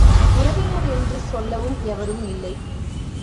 உறவினர் என்று சொல்லவும் எவரும் இல்லை.